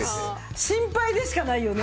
心配でしかないよね。